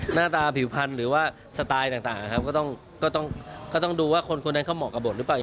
หน้าตาผิวพันธุ์หรือว่าสไตล์ต่างนะครับก็ต้องดูว่าคนคนนั้นเขาเหมาะกับบทหรือเปล่า